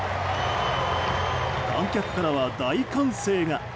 観客からは大歓声が。